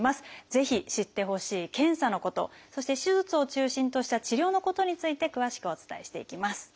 ぜひ知ってほしい検査のことそして手術を中心とした治療のことについて詳しくお伝えしていきます。